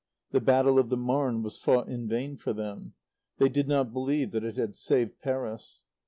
The Battle of the Marne was fought in vain for them. They did not believe that it had saved Paris.